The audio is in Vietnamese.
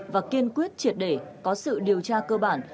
và kiên quyết triệt để có sự điều tra cơ bản